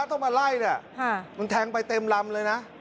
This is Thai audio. ต้องกับไล่ฮะมันแทงไปเต็มลำเลยนะ